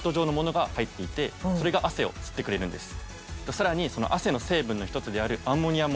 さらに。